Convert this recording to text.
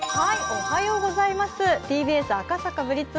ＴＢＳ赤坂ＢＬＩＴＺ